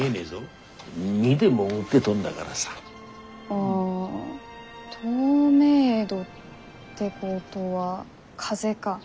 ああ透明度ってことは風か。